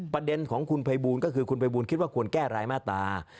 ประเด็นของคุณภัยบูลก็คือคุณภัยบูลคิดว่าควรแก้รายมาตรา